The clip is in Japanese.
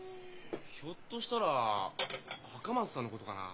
ひょっとしたら赤松さんのことかな。